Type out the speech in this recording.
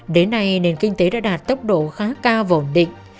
đến nay nền kinh tế đã đạt tốc độ khá cao và ổn định